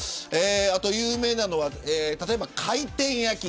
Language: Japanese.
あと有名なのは例えば回転焼き。